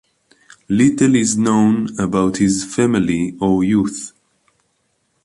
Little is known about his family or youth.